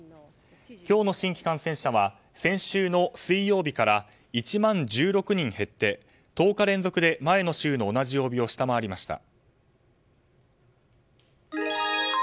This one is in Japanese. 今日の新規感染者は先週の水曜日から１万１６人減って１０日連続で前の週の同じ曜日を下回りました。